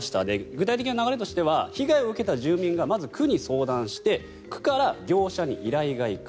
具体的な流れとしては被害を受けた住民が区に相談して区から業者に依頼が行く。